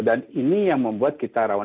dan ini yang membuat kita rawan